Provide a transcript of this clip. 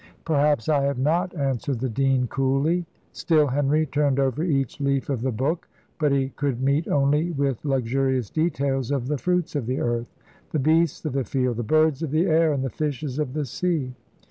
"Perhaps I have not," answered the dean, coolly. Still Henry turned over each leaf of the book, but he could meet only with luxurious details of "the fruits of the earth, the beasts of the field, the birds of the air, and the fishes of the sea."